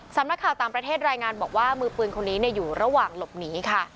สำนักข่าวต่างประเทศรายงานบอกว่ามือปืนคนนี้อยู่ระหว่างหลบหนีค่ะ